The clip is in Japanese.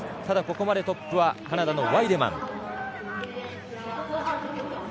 ただ、ここまでトップはカナダのワイデマン。